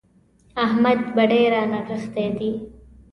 احمد بډې رانغښتې دي.